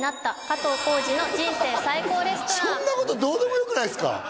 そんなことどうでもよくないっすか？